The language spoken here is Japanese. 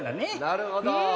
なるほど。